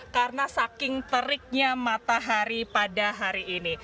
karena saking teriknya matahari pada hari ini